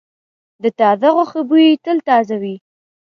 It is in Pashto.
د تازه غوښې بوی تل تازه وي.